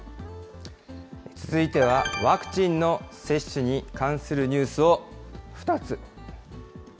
続いては、ワクチンの接種に関するニュースを２つ。